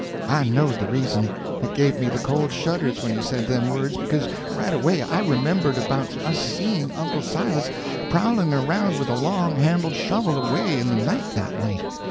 I knowed the reason. It give me the cold shudders when he said them words, because right away I remembered about us seeing Uncle Silas prowling around with a long handled shovel away in the night that night.